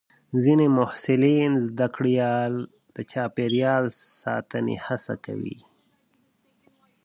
ځینې محصلین د چاپېریال ساتنې هڅه کوي.